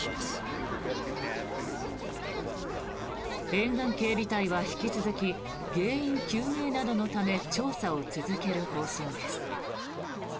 沿岸警備隊は引き続き原因究明などのため調査を続ける方針です。